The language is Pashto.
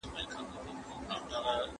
هغه وويل چي قانون مراعت کړئ.